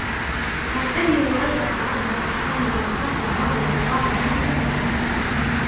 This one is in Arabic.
عَن أبي هُريرةَ عَبدِ الرَّحمنِ بنِ صَخْرٍ رَضِي اللهُ عَنْهُ قالَ: